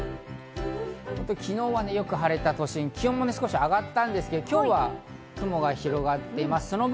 昨日はよく晴れた都心、気温も少し上がったんですけど、今日は雲が広がっています。